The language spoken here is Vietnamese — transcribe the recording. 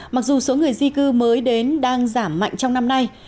mặc dù số người di cư mới đến đang giảm mạnh trong năm nay